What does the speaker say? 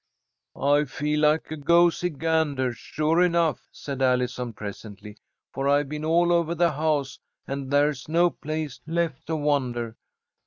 "I feel like a 'goosey gander,' sure enough," said Allison presently. "For I've been all over the house, and there's no place left to wander.